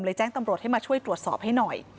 แจ้งตำรวจให้มาช่วยตรวจสอบให้หน่อย